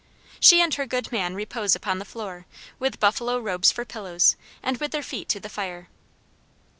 She and her good man repose upon the floor, with buffalo robes for pillows, and with their feet to the fire.